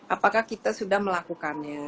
apakah kita sudah melakukannya